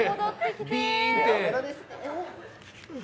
ビーンって。